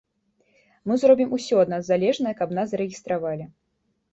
Мы зробім усё ад нас залежнае, каб нас зарэгістравалі.